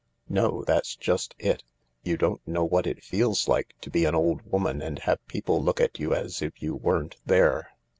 "No— that's just it. You don't know what it feels like to be an old woman and have people look at you as if you weren't there."